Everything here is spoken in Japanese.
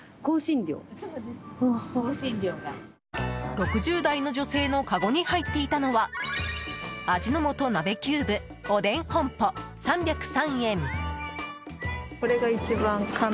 ６０代の女性のかごに入っていたのは味の素鍋キューブおでん本舗３０３円。